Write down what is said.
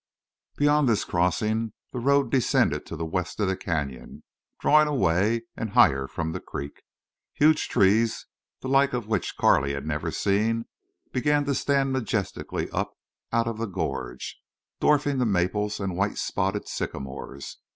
Beyond this crossing the road descended the west side of the canyon, drawing away and higher from the creek. Huge trees, the like of which Carley had never seen, began to stand majestically up out of the gorge, dwarfing the maples and white spotted sycamores.